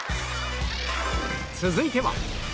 続いては